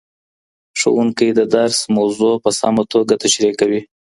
ښوونکی د درس موضوع په سمه توګه تشریح کوي.